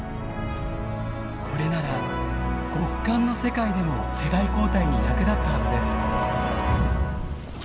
これなら極寒の世界でも世代交代に役立ったはずです。